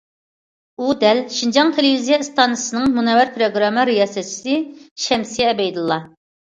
ئۇ دەل— شىنجاڭ تېلېۋىزىيە ئىستانسىسىنىڭ مۇنەۋۋەر پىروگرامما رىياسەتچىسى شەمسىيە ئەبەيدۇللا.